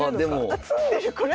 あ詰んでるこれ！